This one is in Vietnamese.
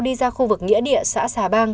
đi ra khu vực nghĩa địa xã sa bang